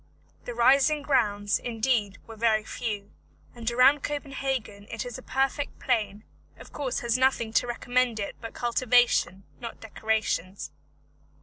The rising grounds, indeed, were very few, and around Copenhagen it is a perfect plain; of course has nothing to recommend it but cultivation, not decorations.